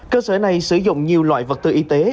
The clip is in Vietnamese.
cơ sở này sử dụng nhiều loại vật tư y tế